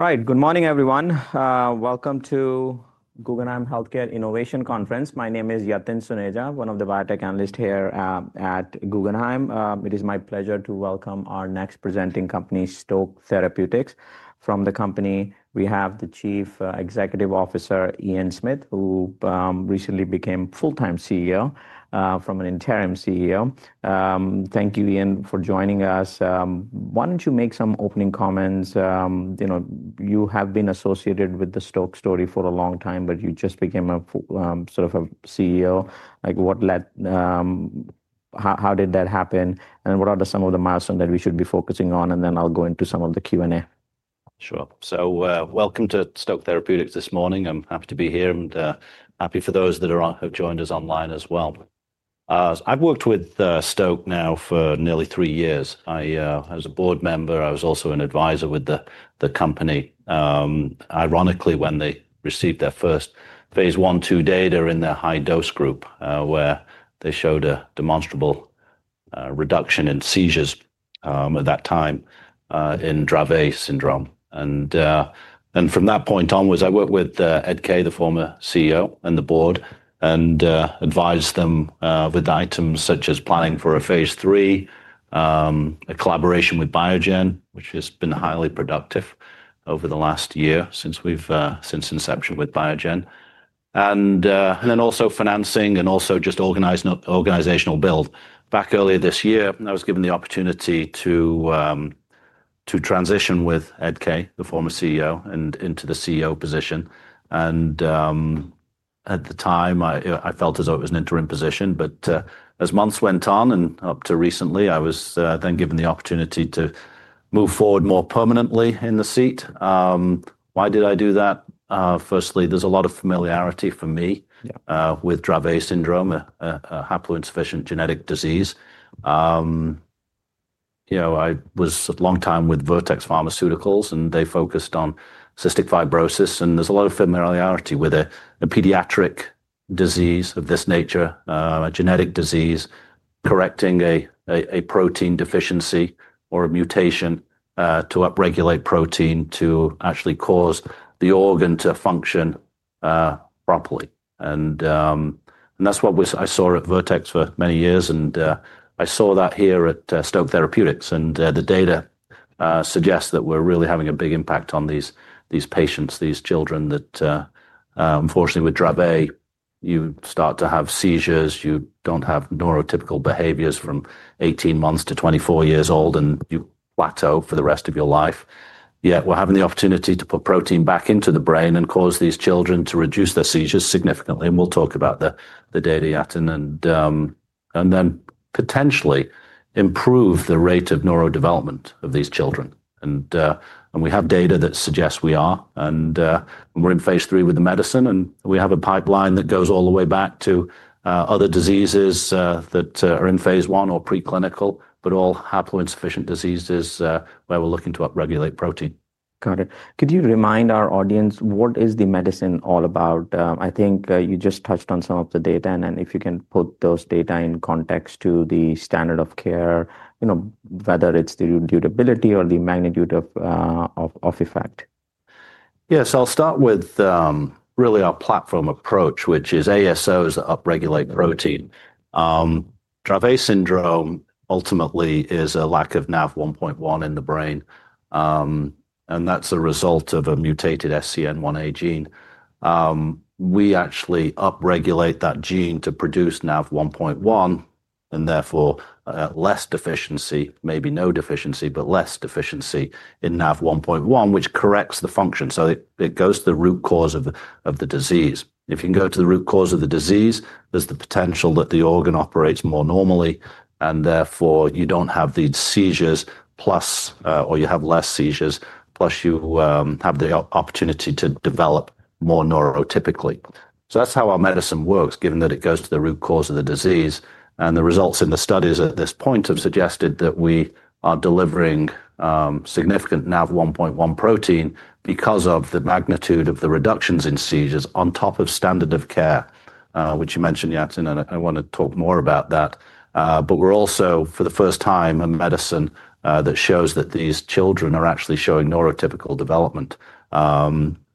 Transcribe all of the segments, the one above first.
All right. Good morning, everyone. Welcome to Guggenheim Healthcare Innovation Conference. My name is Yathin Suneja, one of the Biotech Analysts here at Guggenheim. It is my pleasure to welcome our next presenting company, Stoke Therapeutics. From the company, we have the Chief Executive Officer, Ian Smith, who recently became full-time CEO from an interim CEO. Thank you, Ian, for joining us. Why don't you make some opening comments? You have been associated with the Stoke story for a long time, but you just became sort of a CEO. What led? How did that happen? And what are some of the milestones that we should be focusing on? Then I'll go into some of the Q&A. Sure. Welcome to Stoke Therapeutics this morning. I'm happy to be here, and happy for those that have joined us online as well. I've worked with Stoke now for nearly three years. I was a board member. I was also an advisor with the company. Ironically, when they received their first phase I/II data in their high-dose group, where they showed a demonstrable reduction in seizures at that time in Dravet syndrome. From that point onwards, I worked with Ed Kay, the former CEO, and the board, and advised them with items such as planning for a phase III, a collaboration with Biogen, which has been highly productive over the last year since inception with Biogen. Also financing and just organizational build. Earlier this year, I was given the opportunity to transition with Ed Kay, the former CEO, into the CEO position. At the time, I felt as though it was an interim position. As months went on, and up to recently, I was then given the opportunity to move forward more permanently in the seat. Why did I do that? Firstly, there's a lot of familiarity for me with Dravet syndrome, a haploinsufficient genetic disease. I was a long time with Vertex Pharmaceuticals, and they focused on cystic fibrosis. There's a lot of familiarity with a pediatric disease of this nature, a genetic disease, correcting a protein deficiency or a mutation to upregulate protein to actually cause the organ to function properly. That's what I saw at Vertex for many years. I saw that here at Stoke Therapeutics. The data suggests that we're really having a big impact on these patients, these children that, unfortunately, with Dravet, you start to have seizures. You do not have neurotypical behaviors from 18 months to 24 years old, and you plateau for the rest of your life. Yet we are having the opportunity to put protein back into the brain and cause these children to reduce their seizures significantly. We will talk about the data, Yathin, and then potentially improve the rate of neurodevelopment of these children. We have data that suggests we are. We are in phase III with the medicine. We have a pipeline that goes all the way back to other diseases that are in phase I or preclinical, but all haploinsufficient diseases where we are looking to upregulate protein. Got it. Could you remind our audience, what is the medicine all about? I think you just touched on some of the data. If you can put those data in context to the standard of care, whether it's the durability or the magnitude of effect. Yes. I'll start with really our platform approach, which is ASOs, upregulate protein. Dravet syndrome ultimately is a lack of NaV1.1 in the brain. That is a result of a mutated SCN1A gene. We actually upregulate that gene to produce NaV1.1, and therefore less deficiency, maybe no deficiency, but less deficiency in NaV1.1, which corrects the function. It goes to the root cause of the disease. If you can go to the root cause of the disease, there is the potential that the organ operates more normally. Therefore, you do not have these seizures, or you have less seizures, plus you have the opportunity to develop more neurotypically. That is how our medicine works, given that it goes to the root cause of the disease. The results in the studies at this point have suggested that we are delivering significant NaV1.1 protein because of the magnitude of the reductions in seizures on top of standard of care, which you mentioned, Yathin. I want to talk more about that. We are also, for the first time, a medicine that shows that these children are actually showing neurotypical development,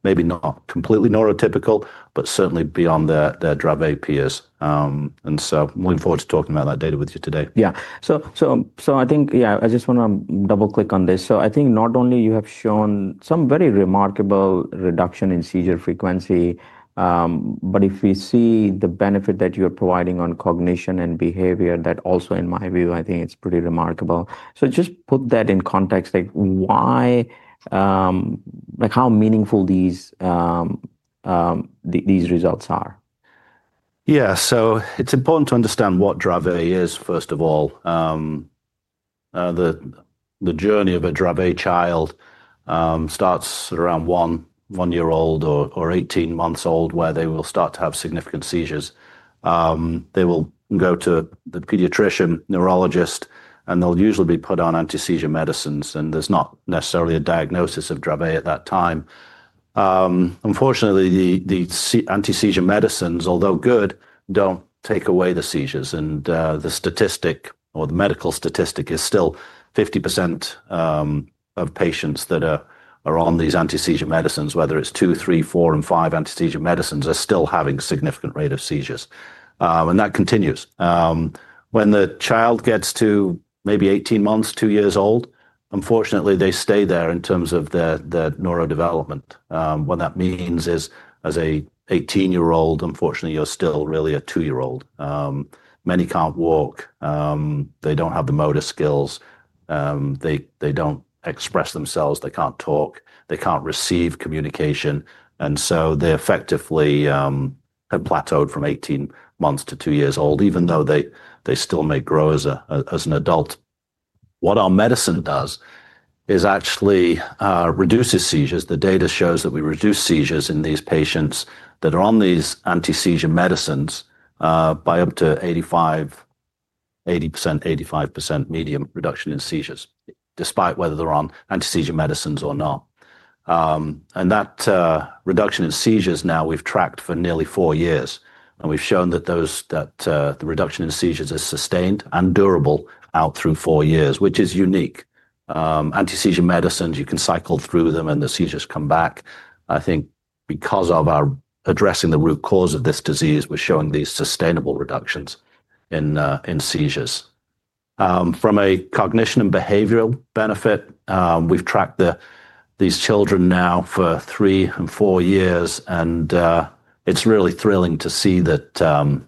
maybe not completely neurotypical, but certainly beyond their Dravet peers. I am looking forward to talking about that data with you today. Yeah. So I think, yeah, I just want to double-click on this. I think not only you have shown some very remarkable reduction in seizure frequency, but if we see the benefit that you're providing on cognition and behavior, that also, in my view, I think it's pretty remarkable. Just put that in context. How meaningful these results are? Yeah. So it's important to understand what Dravet is, first of all. The journey of a Dravet child starts around one year old or 18 months old, where they will start to have significant seizures. They will go to the pediatrician, neurologist, and they'll usually be put on anti-seizure medicines. There's not necessarily a diagnosis of Dravet at that time. Unfortunately, the anti-seizure medicines, although good, don't take away the seizures. The statistic or the medical statistic is still 50% of patients that are on these anti-seizure medicines, whether it's two, three, four, and five anti-seizure medicines, are still having a significant rate of seizures. That continues. When the child gets to maybe 18 months, two years old, unfortunately, they stay there in terms of their neurodevelopment. What that means is, as an 18-year-old, unfortunately, you're still really a two-year-old. Many can't walk. They don't have the motor skills. They don't express themselves. They can't talk. They can't receive communication. They effectively have plateaued from 18 months to two years old, even though they still may grow as an adult. What our medicine does is actually reduces seizures. The data shows that we reduce seizures in these patients that are on these anti-seizure medicines by up to 80%-85% median reduction in seizures, despite whether they're on anti-seizure medicines or not. That reduction in seizures now we've tracked for nearly four years. We've shown that the reduction in seizures is sustained and durable out through four years, which is unique. Anti-seizure medicines, you can cycle through them, and the seizures come back. I think because of our addressing the root cause of this disease, we're showing these sustainable reductions in seizures. From a cognition and behavioral benefit, we've tracked these children now for three and four years. It is really thrilling to see that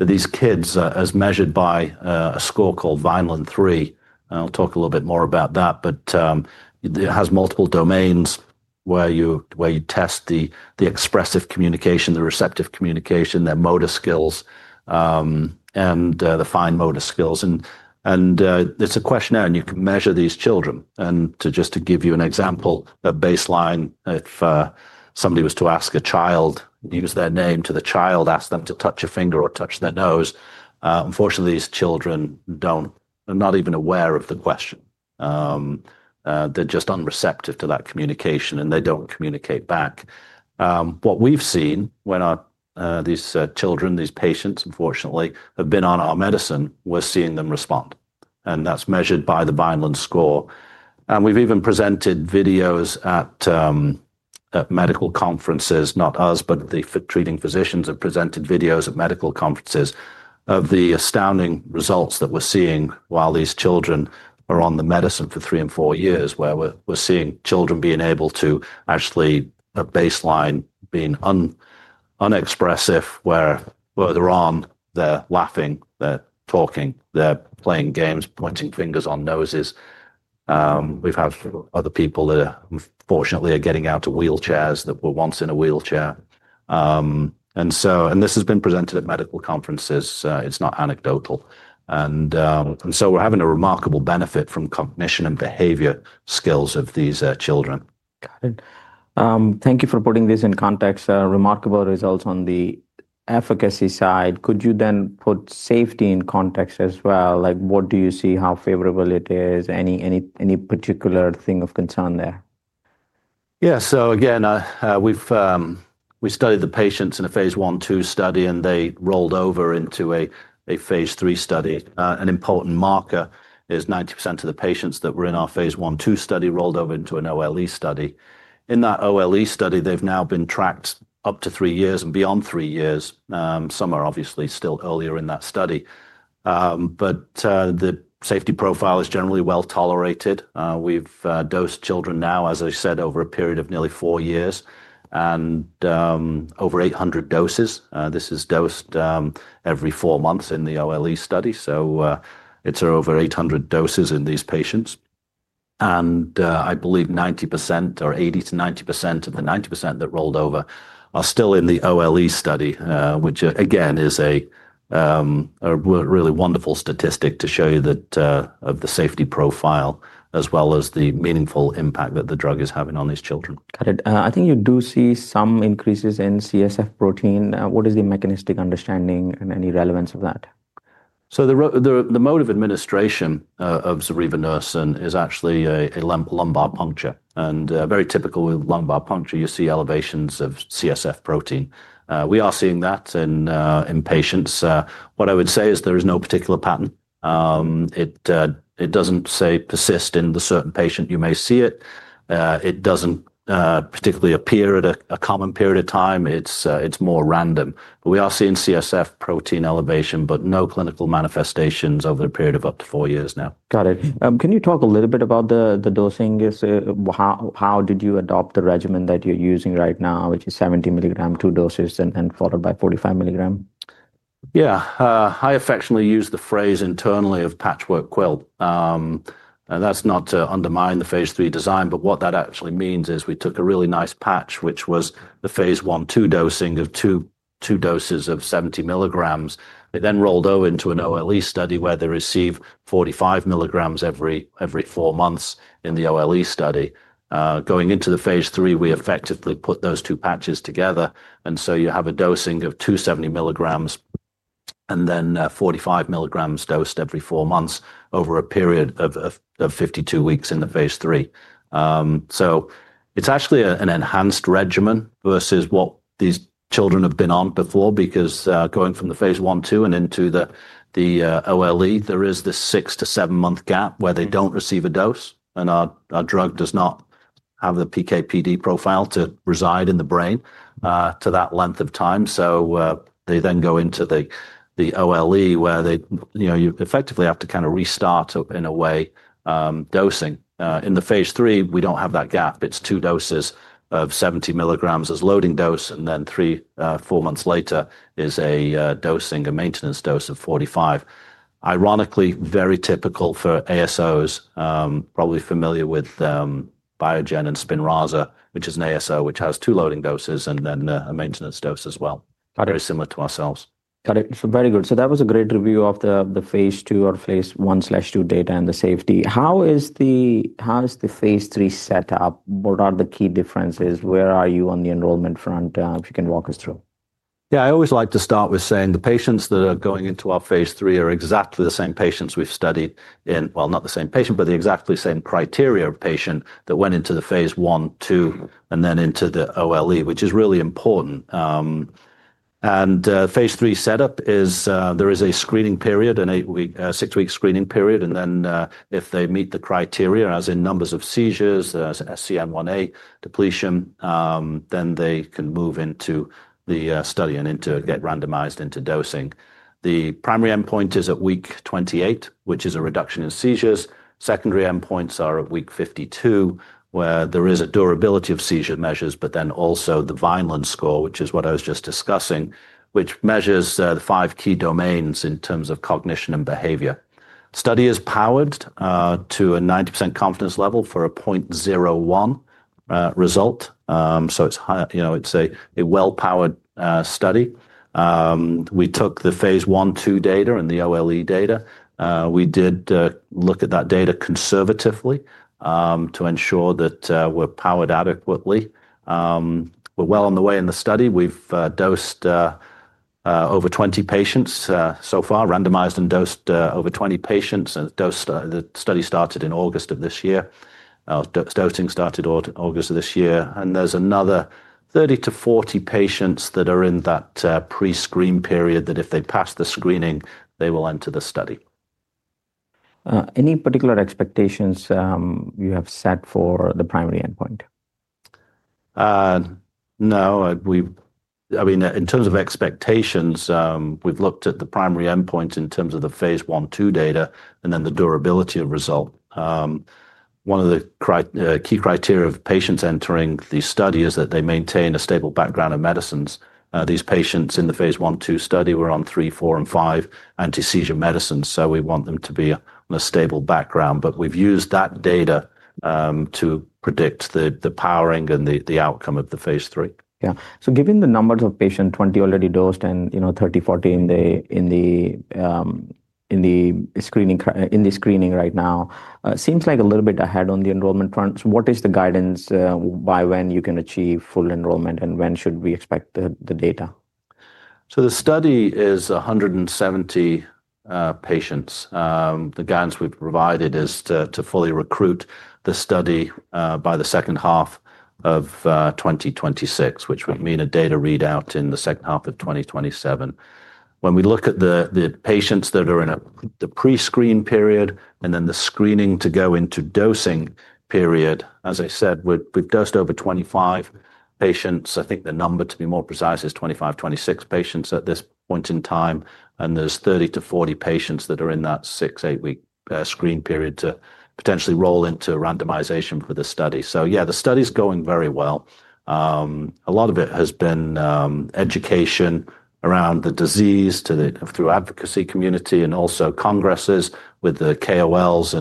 these kids, as measured by a score called Vineland-3, and I'll talk a little bit more about that, but it has multiple domains where you test the expressive communication, the receptive communication, their motor skills, and the fine motor skills. It is a questionnaire, and you can measure these children. Just to give you an example of baseline, if somebody was to ask a child, use their name to the child, ask them to touch a finger or touch their nose, unfortunately, these children are not even aware of the question. They are just unreceptive to that communication, and they do not communicate back. What we've seen when these children, these patients, unfortunately, have been on our medicine, we're seeing them respond. That is measured by the Vineland score. We have even presented videos at medical conferences, not us, but the treating physicians have presented videos at medical conferences of the astounding results that we are seeing while these children are on the medicine for three and four years, where we are seeing children being able to actually at baseline being unexpressive, where they are on, they are laughing, they are talking, they are playing games, pointing fingers on noses. We have had other people that, unfortunately, are getting out of wheelchairs that were once in a wheelchair. This has been presented at medical conferences. It is not anecdotal. We are having a remarkable benefit from cognition and behavior skills of these children. Got it. Thank you for putting this in context. Remarkable results on the efficacy side. Could you then put safety in context as well? What do you see, how favorable it is? Any particular thing of concern there? Yeah. So again, we studied the patients in a phase I/II study, and they rolled over into a phase III study. An important marker is 90% of the patients that were in our phase I/II study rolled over into an OLE study. In that OLE study, they've now been tracked up to three years and beyond three years. Some are obviously still earlier in that study. The safety profile is generally well tolerated. We've dosed children now, as I said, over a period of nearly four years and over 800 doses. This is dosed every four months in the OLE study. It is over 800 doses in these patients. I believe 90% or 80%-90% of the 90% that rolled over are still in the OLE study, which, again, is a really wonderful statistic to show you of the safety profile, as well as the meaningful impact that the drug is having on these children. Got it. I think you do see some increases in CSF protein. What is the mechanistic understanding and any relevance of that? The mode of administration of zorevunersen is actually a lumbar puncture. Very typical with lumbar puncture, you see elevations of CSF protein. We are seeing that in patients. What I would say is there is no particular pattern. It does not persist. In a certain patient you may see it. It does not particularly appear at a common period of time. It is more random. We are seeing CSF protein elevation, but no clinical manifestations over a period of up to four years now. Got it. Can you talk a little bit about the dosing? How did you adopt the regimen that you're using right now, which is 70 milligram, two doses, and followed by 45 milligram? Yeah. I affectionately use the phrase internally of patchwork quilt. That's not to undermine the phase III design. What that actually means is we took a really nice patch, which was the phase I/II dosing of two doses of 70 milligrams. It then rolled over into an OLE study where they receive 45 milligrams every four months in the OLE study. Going into the phase III, we effectively put those two patches together. You have a dosing of two 70 milligrams and then 45 milligrams dosed every four months over a period of 52 weeks in the phase III. It's actually an enhanced regimen versus what these children have been on before. Because going from the phase I/II and into the OLE, there is the six to seven-month gap where they don't receive a dose. Our drug does not have the PKPD profile to reside in the brain to that length of time. They then go into the OLE where they effectively have to kind of restart in a way dosing. In the phase III, we do not have that gap. It is two doses of 70 milligrams as loading dose. Then three, four months later is a dosing, a maintenance dose of 45. Ironically, very typical for ASOs, probably familiar with Biogen and Spinraza, which is an ASO which has two loading doses and then a maintenance dose as well. Very similar to ourselves. Got it. Very good. That was a great review of the phase II or phase I/II data and the safety. How is the phase III set up? What are the key differences? Where are you on the enrollment front? If you can walk us through. Yeah. I always like to start with saying the patients that are going into our phase III are exactly the same patients we've studied in, well, not the same patient, but the exactly same criteria of patient that went into the phase I/II, and then into the OLE, which is really important. Phase III setup is there is a screening period, a six-week screening period. If they meet the criteria, as in numbers of seizures, SCN1A depletion, then they can move into the study and get randomized into dosing. The primary endpoint is at week 28, which is a reduction in seizures. Secondary endpoints are at week 52, where there is a durability of seizure measures, but then also the Vineland score, which is what I was just discussing, which measures the five key domains in terms of cognition and behavior. Study is powered to a 90% confidence level for a 0.01 result. It is a well-powered study. We took the phase I/II data and the OLE data. We did look at that data conservatively to ensure that we're powered adequately. We're well on the way in the study. We've dosed over 20 patients so far, randomized and dosed over 20 patients. The study started in August of this year. Dosing started in August of this year. There is another 30-40 patients that are in that pre-screen period that if they pass the screening, they will enter the study. Any particular expectations you have set for the primary endpoint? No. I mean, in terms of expectations, we've looked at the primary endpoint in terms of the phase I/II data and then the durability of result. One of the key criteria of patients entering the study is that they maintain a stable background of medicines. These patients in the phase I/II study were on three, four, and five anti-seizure medicines. We want them to be on a stable background. We've used that data to predict the powering and the outcome of the phase III. Yeah. So given the numbers of patients, 20 already dosed and 30-40 in the screening right now, seems like a little bit ahead on the enrollment front. What is the guidance by when you can achieve full enrollment, and when should we expect the data? The study is 170 patients. The guidance we've provided is to fully recruit the study by the second half of 2026, which would mean a data readout in the second half of 2027. When we look at the patients that are in the pre-screen period and then the screening to go into dosing period, as I said, we've dosed over 25 patients. I think the number, to be more precise, is 25-26 patients at this point in time. There are 30-40 patients that are in that six to eight-week screen period to potentially roll into randomization for the study. The study is going very well. A lot of it has been education around the disease through advocacy community and also congresses with the KOLs.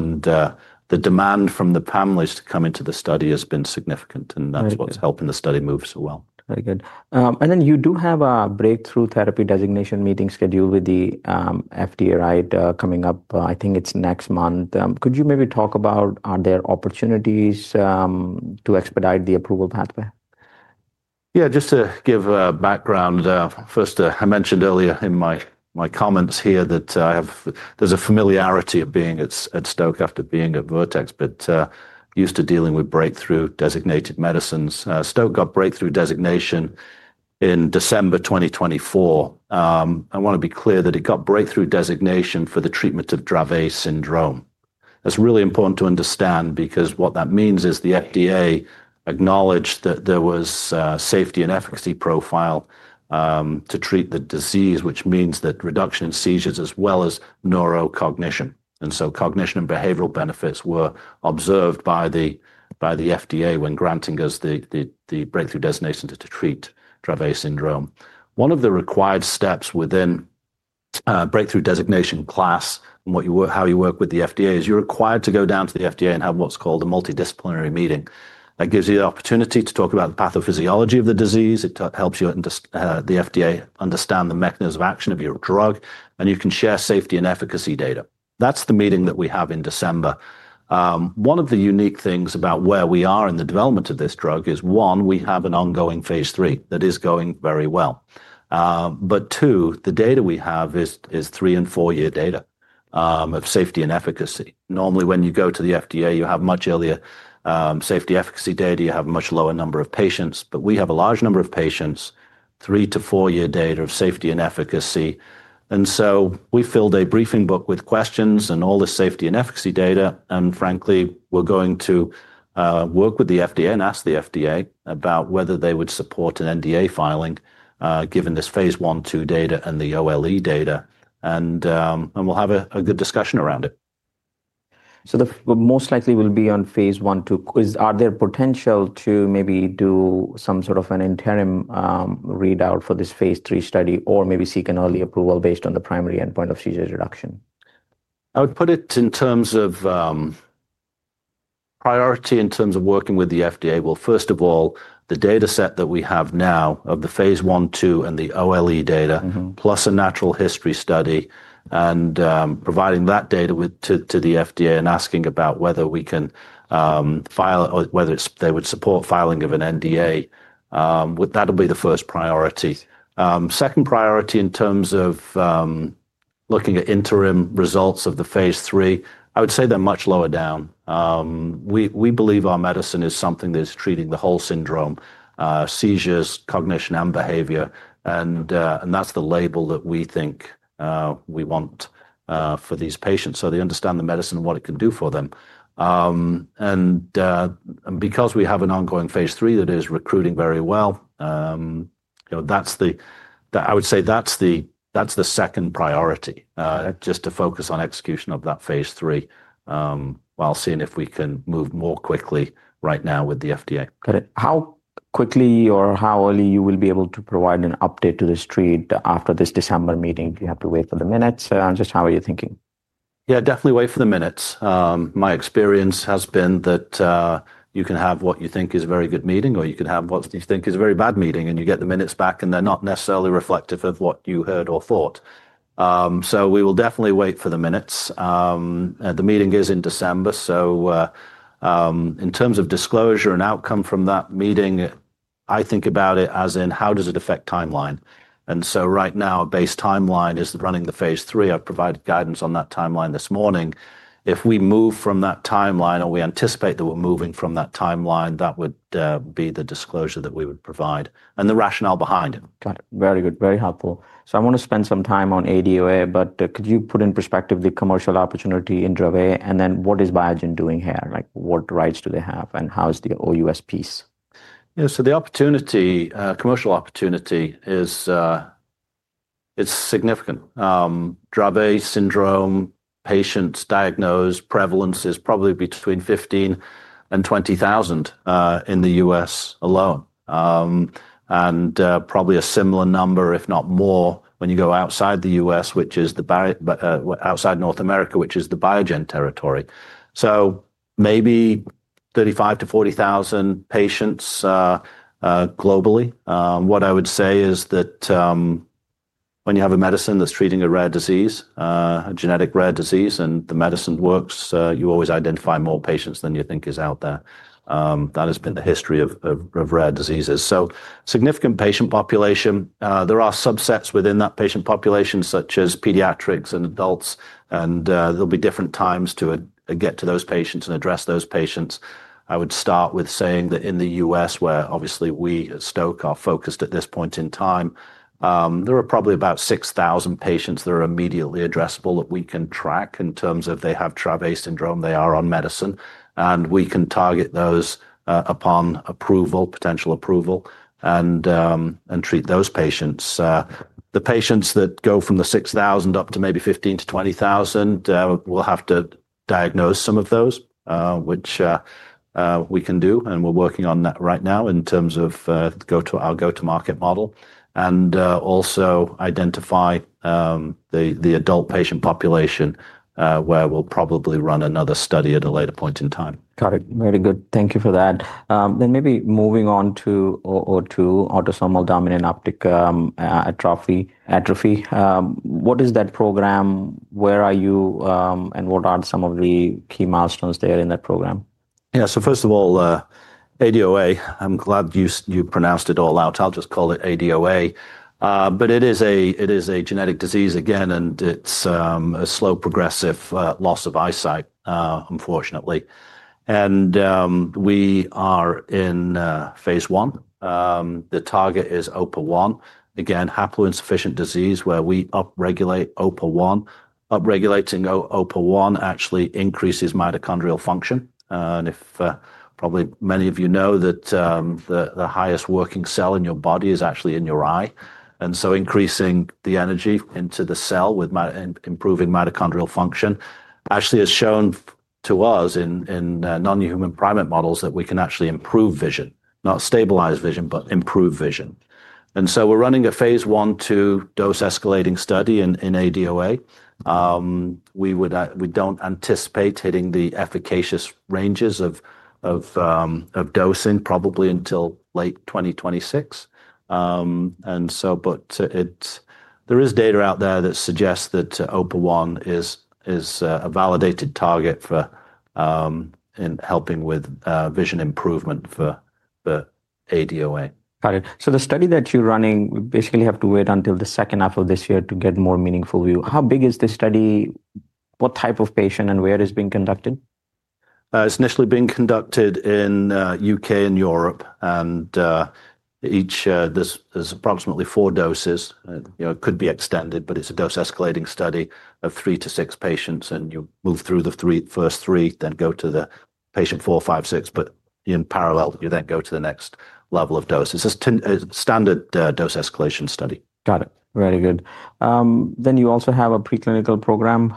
The demand from the families to come into the study has been significant. That's what's helping the study move so well. Very good. You do have a breakthrough therapy designation meeting scheduled with the FDA, right, coming up. I think it's next month. Could you maybe talk about, are there opportunities to expedite the approval pathway? Yeah. Just to give background, first, I mentioned earlier in my comments here that there's a familiarity of being at Stoke after being at Vertex, but used to dealing with breakthrough designated medicines. Stoke got breakthrough designation in December 2024. I want to be clear that it got breakthrough designation for the treatment of Dravet syndrome. That's really important to understand because what that means is the FDA acknowledged that there was a safety and efficacy profile to treat the disease, which means that reduction in seizures as well as neurocognition. Cognition and behavioral benefits were observed by the FDA when granting us the breakthrough designation to treat Dravet syndrome. One of the required steps within breakthrough designation class and how you work with the FDA is you're required to go down to the FDA and have what's called a multidisciplinary meeting. That gives you the opportunity to talk about the pathophysiology of the disease. It helps the FDA understand the mechanism of action of your drug. You can share safety and efficacy data. That is the meeting that we have in December. One of the unique things about where we are in the development of this drug is, one, we have an ongoing phase III that is going very well. Two, the data we have is three and four-year data of safety and efficacy. Normally, when you go to the FDA, you have much earlier safety efficacy data. You have a much lower number of patients. We have a large number of patients, three to four-year data of safety and efficacy. We filled a briefing book with questions and all the safety and efficacy data. Frankly, we're going to work with the FDA and ask the FDA about whether they would support an NDA filing given this phase I/II data and the OLE data. We'll have a good discussion around it. Most likely will be on phase I/II. Are there potential to maybe do some sort of an interim readout for this phase III study or maybe seek an early approval based on the primary endpoint of seizure reduction? I would put it in terms of priority in terms of working with the FDA. First of all, the data set that we have now of the phase I/II, and the OLE data, plus a natural history study, and providing that data to the FDA and asking about whether we can file, whether they would support filing of an NDA, that'll be the first priority. Second priority in terms of looking at interim results of the phase III, I would say they're much lower down. We believe our medicine is something that is treating the whole syndrome, seizures, cognition, and behavior. That is the label that we think we want for these patients so they understand the medicine and what it can do for them. Because we have an ongoing phase III that is recruiting very well, I would say that's the second priority, just to focus on execution of that phase III while seeing if we can move more quickly right now with the FDA. Got it. How quickly or how early you will be able to provide an update to the street after this December meeting? Do you have to wait for the minutes or just how are you thinking? Yeah, definitely wait for the minutes. My experience has been that you can have what you think is a very good meeting, or you can have what you think is a very bad meeting, and you get the minutes back, and they're not necessarily reflective of what you heard or thought. We will definitely wait for the minutes. The meeting is in December. In terms of disclosure and outcome from that meeting, I think about it as in how does it affect timeline? Right now, base timeline is running the phase III. I've provided guidance on that timeline this morning. If we move from that timeline or we anticipate that we're moving from that timeline, that would be the disclosure that we would provide and the rationale behind it. Got it. Very good. Very helpful. I want to spend some time on ADOA, but could you put in perspective the commercial opportunity in Dravet? What is Biogen doing here? What rights do they have? How is the OUS piece? Yeah. The opportunity, commercial opportunity, is significant. Dravet syndrome patients diagnosed prevalence is probably between 15,000 and 20,000 in the U.S. alone and probably a similar number, if not more, when you go outside the U.S., which is the outside North America, which is the Biogen territory. Maybe 35,000-40,000 patients globally. What I would say is that when you have a medicine that's treating a rare disease, a genetic rare disease, and the medicine works, you always identify more patients than you think is out there. That has been the history of rare diseases. Significant patient population. There are subsets within that patient population, such as pediatrics and adults. There will be different times to get to those patients and address those patients. I would start with saying that in the U.S., where obviously we at Stoke are focused at this point in time, there are probably about 6,000 patients that are immediately addressable that we can track in terms of they have Dravet syndrome. They are on medicine. We can target those upon approval, potential approval, and treat those patients. The patients that go from the 6,000 up to maybe 15,000-20,000, we'll have to diagnose some of those, which we can do. We are working on that right now in terms of our go-to-market model and also identify the adult patient population where we'll probably run another study at a later point in time. Got it. Very good. Thank you for that. Maybe moving on to ADOA, Autosomal Dominant Optic Atrophy. What is that program? Where are you? What are some of the key milestones there in that program? Yeah. First of all, ADOA. I'm glad you pronounced it all out. I'll just call it ADOA. It is a genetic disease again, and it's a slow progressive loss of eyesight, unfortunately. We are in phase I. The target is OPA1, again, haploinsufficient disease where we upregulate OPA1. Upregulating OPA1 actually increases mitochondrial function. Probably many of you know that the highest working cell in your body is actually in your eye. Increasing the energy into the cell with improving mitochondrial function actually has shown to us in non-human primate models that we can actually improve vision, not stabilize vision, but improve vision. We're running a phase I/II dose-escalating study in ADOA. We do not anticipate hitting the efficacious ranges of dosing probably until late 2026. There is data out there that suggests that OPA1 is a validated target in helping with vision improvement for ADOA. Got it. So the study that you're running, we basically have to wait until the second half of this year to get more meaningful view. How big is the study? What type of patient and where is it being conducted? It's initially being conducted in the U.K. and Europe. There's approximately four doses. It could be extended, but it's a dose-escalating study of three to six patients. You move through the first three, then go to patient four, five, six. In parallel, you then go to the next level of dose. It's a standard dose-escalation study. Got it. Very good. You also have a preclinical program.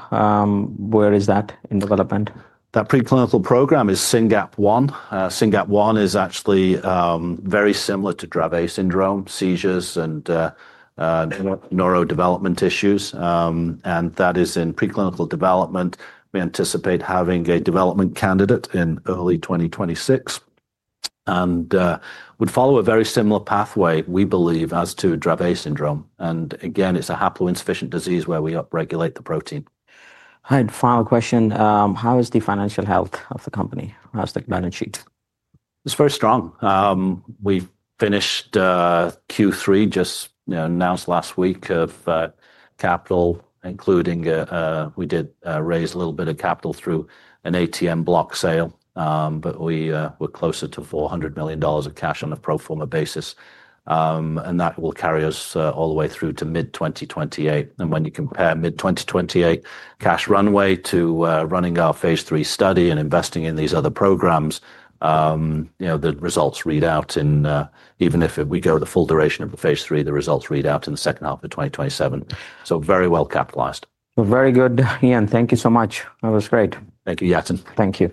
Where is that in development? That preclinical program is SYNGAP1. SYNGAP1 is actually very similar to Dravet syndrome, seizures, and neurodevelopment issues. That is in preclinical development. We anticipate having a development candidate in early 2026 and would follow a very similar pathway, we believe, as to Dravet syndrome. It is a haploinsufficient disease where we upregulate the protein. All right. Final question. How is the financial health of the company? How's the balance sheet? It's very strong. We finished Q3, just announced last week, of capital, including we did raise a little bit of capital through an ATM block sale. We're closer to $400 million of cash on a pro forma basis. That will carry us all the way through to mid-2028. When you compare mid-2028 cash runway to running our phase III study and investing in these other programs, the results read out in, even if we go the full duration of the phase III, the results read out in the second half of 2027. Very well capitalized. Very good. Ian, thank you so much. That was great. Thank you, Yathin. Thank you.